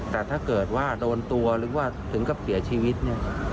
แต่ถ้าเกิดว่าโดนตัวหรือว่าถึงกับเสียชีวิตเนี่ย